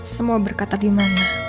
semua berkata gimana